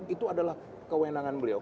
itu adalah kewenangan beliau